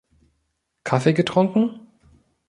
Kaffee getrunken?